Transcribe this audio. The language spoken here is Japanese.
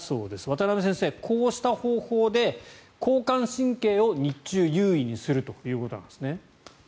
渡邊先生、こうした方法で交感神経を日中、優位にするということなんですね。